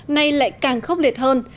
nay lại càng khốc liệt hơn